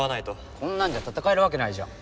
こんなんじゃ戦えるわけないじゃん。